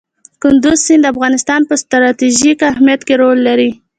کندز سیند د افغانستان په ستراتیژیک اهمیت کې رول لري.